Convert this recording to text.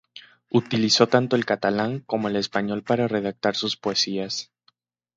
Utilizó tanto el catalán como el español para redactar sus poesías.